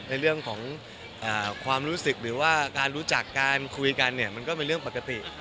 ในเรื่องของความรู้สึกหรือว่าการรู้จักการคุยกันเนี่ยมันก็เป็นเรื่องปกติ